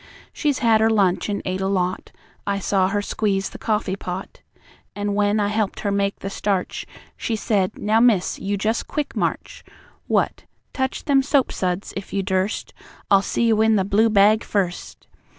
She's had her lunch, and ate a lot; I saw her squeeze the coffee pot. An' when I helped her make the starch, She said: 'Now, Miss, you just quick march! What? Touch them soap suds if you durst; I'll see you in the blue bag first!'